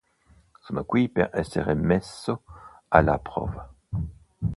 Sono qui per essere messo alla prova.